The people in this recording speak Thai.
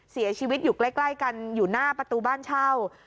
เสียชีวิตอยู่ใกล้กันอยู่หน้าประตูบ้านเช่า